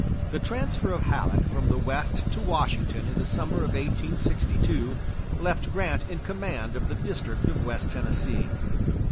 The transfer of Halleck from the West to Washington in the summer of 1862, left Grant in command of the district of West Tennessee.